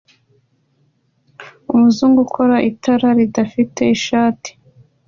Umuzungu ukora itara ridafite ishati